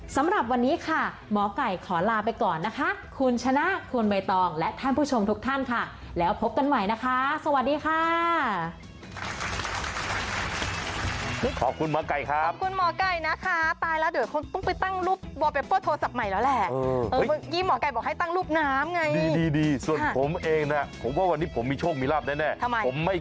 สำหรับวันนี้ค่ะหมอไก่ขอลาไปก่อนนะคะคุณชนะคุณใบตองและท่านผู้ชมทุกท่านค่ะแล้วพบกันใหม่นะคะสวัสดีค่ะ